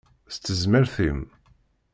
S tezmert-im.